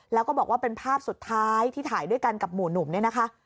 แล้วก็บอกว่าเป็นภาพสุดท้ายที่ถ่ายด้วยกันกับหมู่หนุ่มเนี่ยนะคะ